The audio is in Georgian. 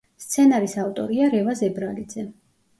სცენარის ავტორია რევაზ ებრალიძე.